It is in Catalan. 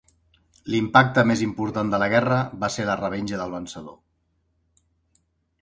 L'impacte més important de la guerra va ser la revenja del vencedor.